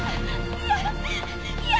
嫌！